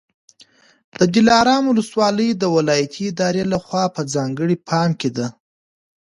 د دلارام ولسوالي د ولایتي ادارې لخوا په ځانګړي پام کي ده.